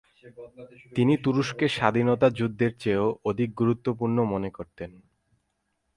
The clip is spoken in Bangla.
তিনি তুরস্কের স্বাধীনতা যুদ্ধের চেয়েও অধিক গুরুত্বপূর্ণ মনে করতেন।